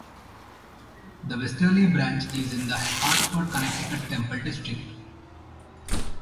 The Westerly Branch is in the Hartford Connecticut Temple District.